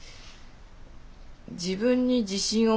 「自分に自信をもて」。